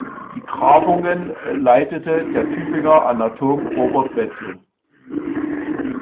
Die Grabungen leitete der Tübinger Anatom Robert Wetzel.